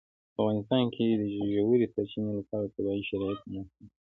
په افغانستان کې د ژورې سرچینې لپاره طبیعي شرایط مناسب دي.